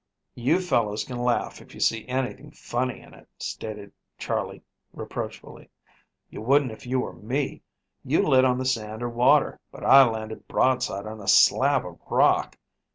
"You fellows can laugh, if you see anything funny in it," stated Charley reproachfully. "You wouldn't if you were me. You lit on the sand or water, but I landed broadside on a slab of rock.